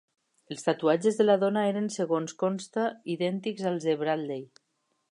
Els tatuatges de la dona eren segons consta idèntics als de Bradley.